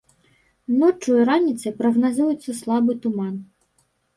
Ноччу і раніцай прагназуецца слабы туман.